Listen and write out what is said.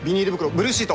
ブルーシート